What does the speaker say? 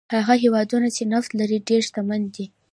هغه هېوادونه چې نفت لري ډېر شتمن دي.